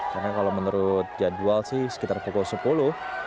karena kalau menurut jadwal sih sekitar pukul sepuluh